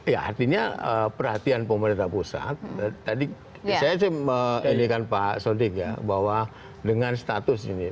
ya artinya perhatian pemerintah pusat tadi saya ini kan pak sodik ya bahwa dengan status ini